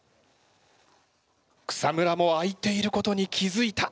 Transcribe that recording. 草村も開いていることに気付いた。